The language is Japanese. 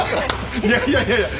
いやいやいやいや。